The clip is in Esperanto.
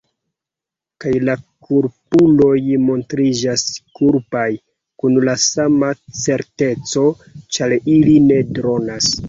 Kaj la kulpuloj montriĝas kulpaj kun la sama certeco ĉar ili ne dronas.